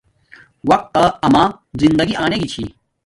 وقت تا اما زندگی آنے گی چھی